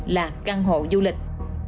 là căn hộ du lịch